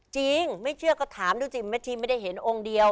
ไม่เชื่อก็ถามดูสิแม่ชีไม่ได้เห็นองค์เดียว